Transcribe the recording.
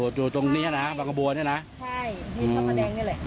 อ๋อเขาวินอยู่ตรงนี้นะครับบางกระบวนเนี่ยนะใช่บินพระพระแดงนี่แหละ